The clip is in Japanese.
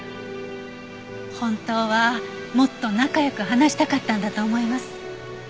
本当はもっと仲良く話したかったんだと思います。